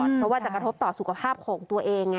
เพราะว่าจะกระทบต่อสุขภาพของตัวเองไง